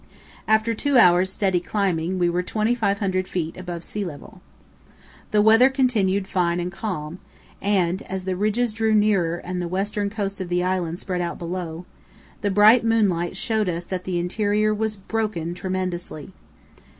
After two hours' steady climbing we were 2500 ft. above sea level. The weather continued fine and calm, and as the ridges drew nearer and the western coast of the island spread out below, the bright moonlight showed us that the interior was broken tremendously.